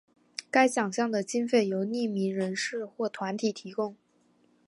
该奖项的经费由匿名人士或团体提供。